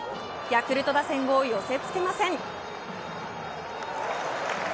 ヤクルト打線を寄せ付けません。